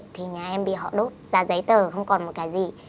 thì nhà em bị họ đốt ra giấy tờ không còn một cái gì